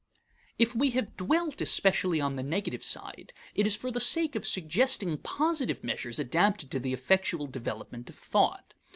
If we have dwelt especially on the negative side, it is for the sake of suggesting positive measures adapted to the effectual development of thought.